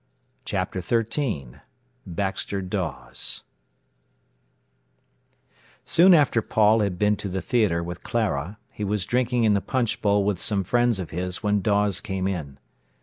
CHAPTER XIII BAXTER DAWES Soon after Paul had been to the theatre with Clara, he was drinking in the Punch Bowl with some friends of his when Dawes came in.